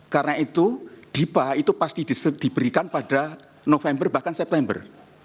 karena itu dipa itu pasti diberikan pada november bahkan september